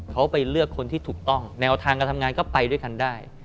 เขาไปเลือกคนที่ถูกต้องแนวทางการทำงานก็ไปด้วยกันได้